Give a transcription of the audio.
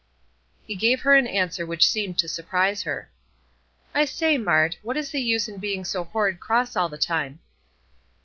He gave her an answer which seemed to surprise her: "I say, Mart, what is the use in being so horrid cross all the time?"